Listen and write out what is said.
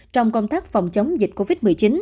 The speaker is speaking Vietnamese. trong công tác phòng chống dịch covid một mươi chín